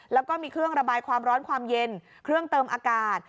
แล้วก็มีเครื่องระบายความร้อนความเย็นเครื่องเติมอากาศ